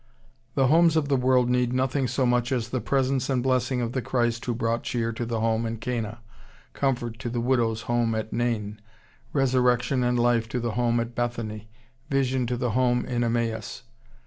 ] The homes of the world need nothing so much as the presence and blessing of the Christ who brought cheer to the home in Cana, comfort to the widow's home at Nain, resurrection and life to the home at Bethany, vision to the home in Emmaus.